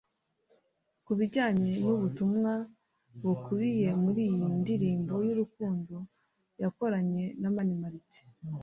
Ku bijyanye n’ubutumwa bukubiye muri iyi ndirimbo y'urukundo yakoranye na Mani Martin